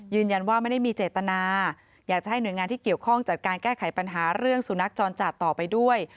ยืนยันว่าไม่ได้มีเจตนาอยากจะให้หน่วยงานที่เกี่ยวข้องจัดการแก้ไขปัญหาเรื่องสุนัขจรจัดต่อไปด้วย